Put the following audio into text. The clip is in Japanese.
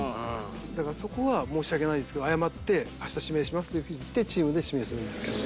だからそこは申し訳ないですけど謝って「明日指名します」という風に言ってチームで指名するんですけど。